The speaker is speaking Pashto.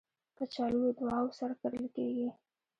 کچالو له دعاوو سره کرل کېږي